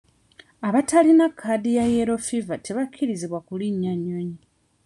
Abatalina kaadi ya yellow fever tebakkirizibwa kulinnya nnyonyi.